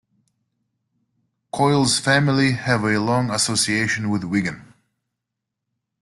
Coyle's family have a long association with Wigan.